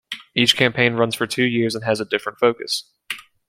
Each campaign runs for two years and has a different focus.